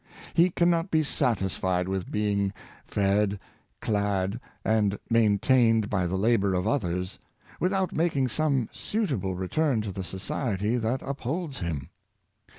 He can not be satisfied with being fed, clad, and maintained by the labor of others, with out making some suitable return to the society that upholds him.